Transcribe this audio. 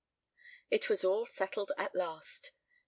It was all settled at last.